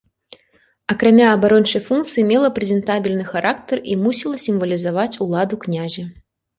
Акрамя абарончай функцыі мела прэзентабельны характар і мусіла сімвалізаваць уладу князя.